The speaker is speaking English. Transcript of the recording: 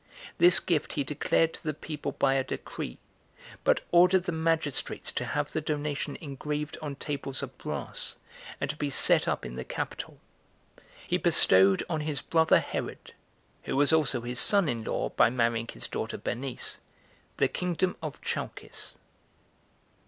This gift he declared to the people by a decree, but ordered the magistrates to have the donation engraved on tables of brass, and to be set up in the capitol. He bestowed on his brother Herod, who was also his son in law, by marrying [his daughter] Bernice, the kingdom of Chalcis.